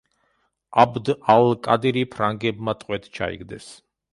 აბდ ალ-კადირი ფრანგებმა ტყვედ ჩაიგდეს.